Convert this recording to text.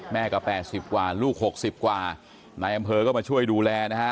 แม่ก็๘๐กว่าลูก๖๐กว่านายอำเภอก็มาช่วยดูแลนะฮะ